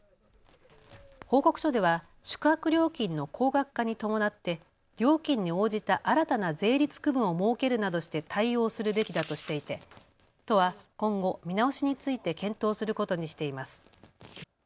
報告書では宿泊料金の高額化に伴って、料金に応じた新たな税率区分を設けるなどして対応するべきだとしていて都は今後見直しについて検討することにしています。